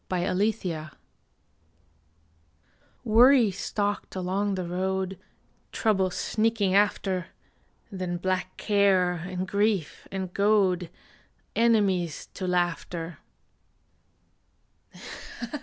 LAUGHTER WORRY stalked along the road, Trouble sneaking after; Then Black Care, and Grief, and Goad Enemies to Laughter.